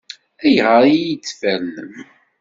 Ayɣer ay iyi-d-tfernem?